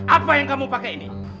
apa yang kamu pakai ini